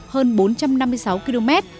hơn bốn trăm năm mươi sáu km